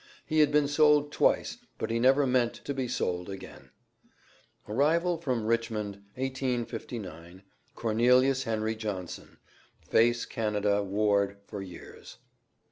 He had been sold twice, but he never meant to be sold again. ARRIVAL FROM RICHMOND, 1859. CORNELIUS HENRY JOHNSON. FACE CANADA WARD FOR YEARS.